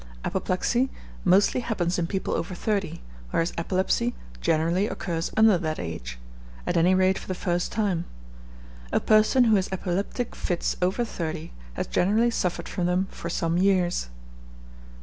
Apoplexy mostly happens in people over thirty, whereas epilepsy generally occurs under that ago; at any rate for the first time. A person who has epileptic fits over thirty, has generally suffered from them for some years.